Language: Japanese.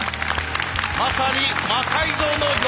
まさに「魔改造の夜」